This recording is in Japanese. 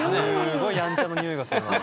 すごいやんちゃのにおいがするな。